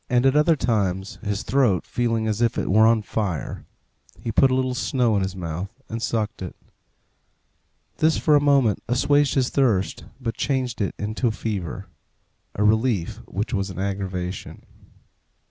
At other times, his throat feeling as if it were on fire, he put a little snow in his mouth and sucked it; this for a moment assuaged his thirst, but changed it into fever a relief which was an aggravation.